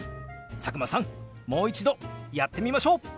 佐久間さんもう一度やってみましょう！